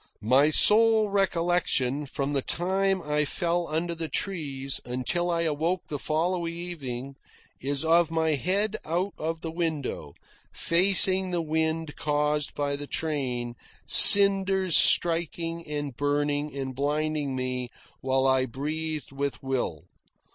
My sole recollection, from the time I fell under the trees until I awoke the following evening, is of my head out of the window, facing the wind caused by the train, cinders striking and burning and blinding me, while I breathed with will.